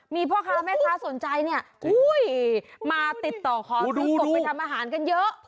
มีพ่อค้าแม่ค้าสนใจเนี่ยมาติดต่อขอซื้อกบไปทำอาหารกันเยอะ